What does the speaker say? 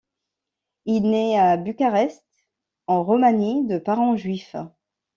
Il naît à Bucarest en Roumanie, de parents juifs.